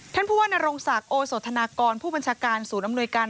ท่านผู้ว่านรงศักดิ์โอโสธนากรผู้บัญชาการศูนย์อำนวยการ